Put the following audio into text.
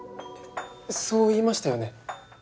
そう言いましたよね？